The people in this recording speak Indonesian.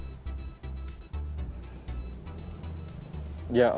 apakah kemudian hal itu yang menjadi hal yang diperlukan